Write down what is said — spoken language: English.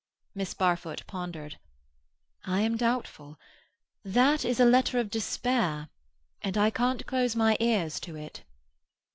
Miss Barfoot pondered. "I am doubtful. That is a letter of despair, and I can't close my ears to it."